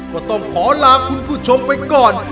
ก็ต้องขอลาคุณผู้ชมไปก่อน